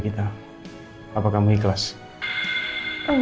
kita gerak ke teduknya nanti